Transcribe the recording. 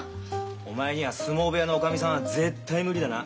お前には相撲部屋のおかみさんは絶対無理だな。